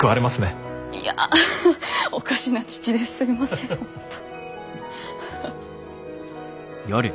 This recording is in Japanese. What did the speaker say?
いやハハハおかしな父ですいません本当。